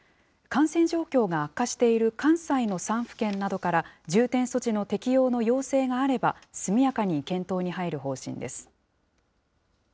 感染状況が悪化している関西の３府県などから、重点措置の適用の要請があれば、速やかに検討に入る方針です。